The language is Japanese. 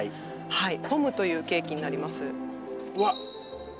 はいポムというケーキになりますわっ